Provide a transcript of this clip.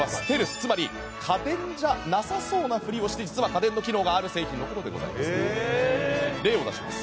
つまり家電じゃなさそうなふりをして実は家電の機能がある製品のことでございます。